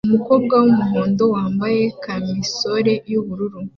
Umukobwa wumuhondo wambaye kamisole yubururu